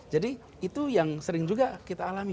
jadi itu yang sering juga kita alami